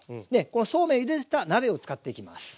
このそうめんをゆでた鍋を使っていきます。